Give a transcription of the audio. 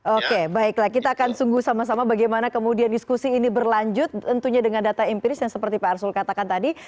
oke baiklah kita akan sungguh sama sama bagaimana kemudian diskusi ini berlanjut tentunya dengan data empiris yang seperti pak arsul katakan tadi